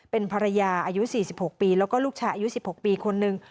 เป็นภรรยาอายุสี่สิบหกปีแล้วก็ลูกชายอายุสี่สิบหกปีคนหนึ่ง